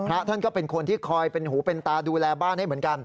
พระท่านก็เป็นคนที่คอยเป็นหูเป็นตาดูแลบ้านให้เหมือนกัน